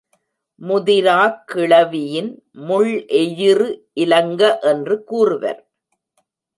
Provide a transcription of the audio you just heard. முதிராக் கிளவியின் முள்எயிறு இலங்க என்று கூறுவார்.